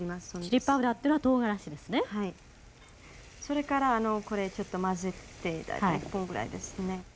それからこれちょっと混ぜて大体このぐらいですね。